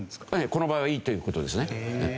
この場合はいいという事ですね。